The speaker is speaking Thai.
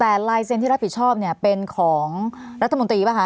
แต่ลายเซ็นต์ที่รับผิดชอบเนี่ยเป็นของรัฐมนตรีป่ะคะ